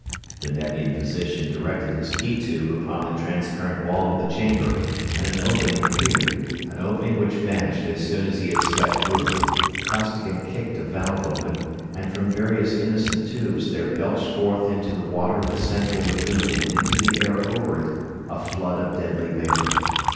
The Nevian physician directed his key tube upon the transparent wall of the chamber and an opening appeared, an opening which vanished as soon as he had stepped through it; Costigan kicked a valve open; and from various innocent tubes there belched forth into the water of the central lagoon and into the air over it a flood of deadly vapor.